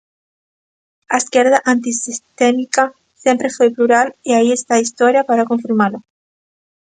A esquerda antisistémica sempre foi plural e aí está a historia para confirmalo.